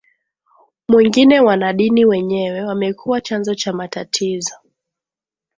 mwingine wanadini wenyewe wamekuwa chanzo cha matatizo